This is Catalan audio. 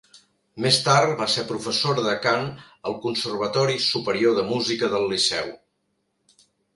Més tard va ser professora de cant al Conservatori Superior de Música del Liceu.